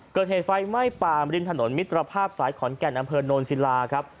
เกิดเหตุไฟไหม้ป่ามริมถนนมิตรภาพสายขอนแก่นอำเภอโนนศิลาครับ